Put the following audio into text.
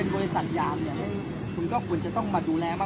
ตอนนี้กำหนังไปคุยของผู้สาวว่ามีคนละตบ